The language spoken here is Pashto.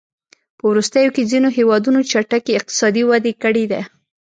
په وروستیو کې ځینو هېوادونو چټکې اقتصادي وده کړې ده.